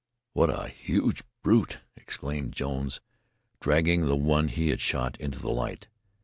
"What a huge brute!" exclaimed Jones, dragging the one he had shot into the light.